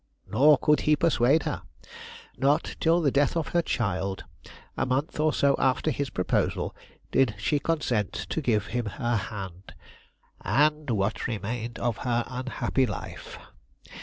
Nor could he persuade her. Not till the death of her child, a month or so after his proposal, did she consent to give him her hand and what remained of her unhappy life.